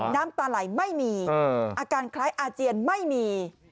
น้ำตาไหลไม่มีอาการคล้ายอาเจียนไม่มี